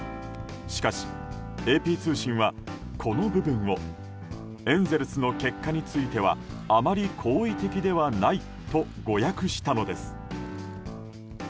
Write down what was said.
しかし、ＡＰ通信はこの部分をエンゼルスの結果についてはあまり好意的ではないと誤訳したのです。